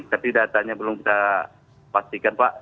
tapi datanya belum kita pastikan pak